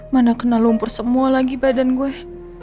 mana kena lumpur semua lagi badan gue